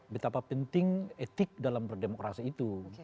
betapa penting etik dalam berdemokrasi itu